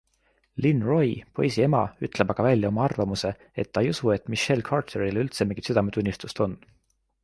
Lynn Roy, poisi ema, ütleb aga välja oma arvamuse, et ta ei usu, et Michelle Carteril üldse mingit südametunnistust on.